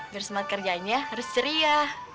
biar semangat kerjanya harus ceria